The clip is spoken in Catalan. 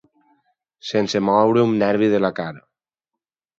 Sense moure un nervi de la cara.